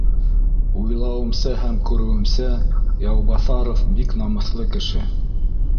Уйлауымса һәм күреүемсә, Яубаҫа ров бик намыҫлы кеше